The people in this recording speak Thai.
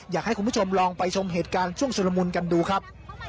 อยากให้คุณผู้ชมลองไปชมเหตุการณ์ช่วงชุลมุนกันดูครับ